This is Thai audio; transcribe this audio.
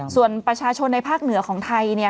ส่วนประชาชนในภาคเหนือของไทย